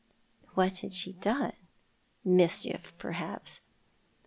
What had she done? Mischief, perhaps.